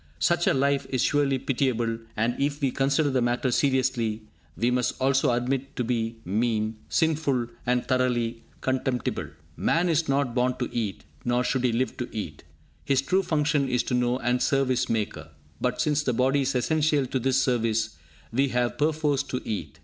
Such a life is surely pitiable, and if we consider the matter seriously, we must also admit it to be mean, sinful and thoroughly contemptible. Man is not born to eat, nor should he live to eat. His true function is to know and serve his Maker; but, since the body is essential to this service, we have perforce to eat.